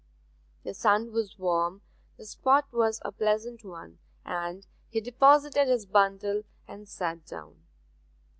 The sun was warm, the spot was a pleasant one, and he deposited his bundle and sat down.